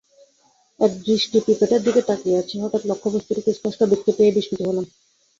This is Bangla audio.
একদৃষ্টি পিপেটার দিকে তাকিয়ে আছি, হঠাৎ লক্ষ্যবস্তুটিকে স্পষ্ট দেখতে পেয়ে বিস্মিত হলাম।